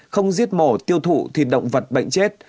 không giết mổ tiêu thụ thịt động vật bệnh chết